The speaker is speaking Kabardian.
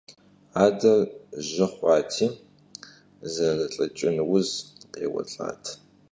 Адэр жьы хъуати зэрылӀыкӀын уз къеуэлӀат.